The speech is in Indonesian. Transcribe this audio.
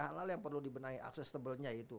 hal hal yang perlu dibenahi akses tebelnya itu